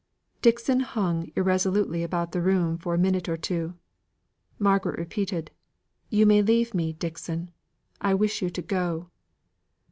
Dixon hung irresolutely about the room for a minute or two. Margaret repeated, "You may leave me, Dixon. I wish you to go."